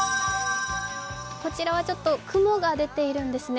こちらはちょっと雲が出ているんですね。